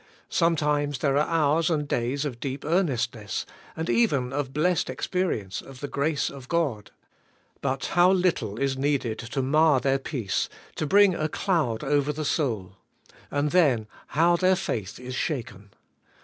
Some times there are hours and days of deep earnestness, 94 ABIDE IN CHRIST: and even of blessed experience of the grace of God. But how little is needed to mar their peace, to bring a cloud over the soul! And then, how their faith is shaken